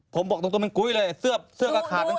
ผมบอกตรงเป็นกุ้ยเลยเสื้อก็ขาดทั้ง